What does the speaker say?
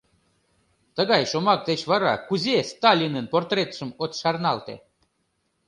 Тыгай шомак деч вара кузе Сталинын портретшым от шарналте.